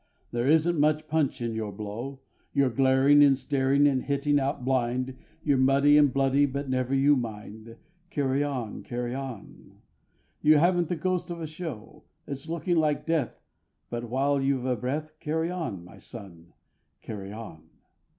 There isn't much punch in your blow. You're glaring and staring and hitting out blind; You're muddy and bloody, but never you mind. Carry on! Carry on! You haven't the ghost of a show. It's looking like death, but while you've a breath, Carry on, my son! Carry on!